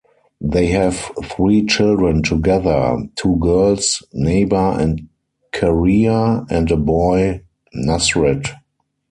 They have three children together; two girls, Naba and Karia, and a boy, Nusret.